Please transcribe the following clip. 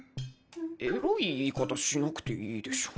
エロい言い方しなくていいでしょ。